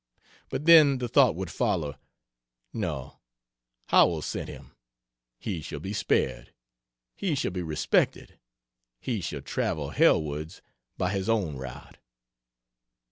but then the thought would follow "No, Howells sent him he shall be spared, he shall be respected he shall travel hell wards by his own route."